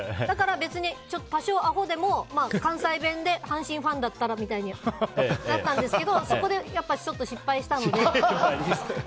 だから別に多少、あほでも関西弁で阪神ファンだったらみたいになったんですけどそこで、ちょっと失敗したので。